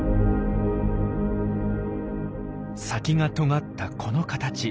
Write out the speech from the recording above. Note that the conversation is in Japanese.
先がとがったこの形。